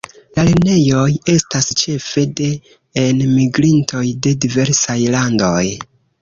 La lernejoj estas ĉefe de enmigrintoj de diversaj landoj.